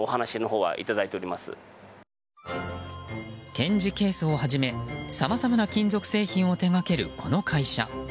展示ケースをはじめさまざまな金属製品を手掛けるこの会社。